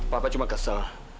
papa cuma kesel